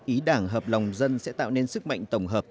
ý đảng hợp lòng dân sẽ tạo nên sức mạnh tổng hợp